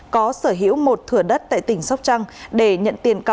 có sở hữu một thửa đất tại tỉnh sóc trăng để nhận tiền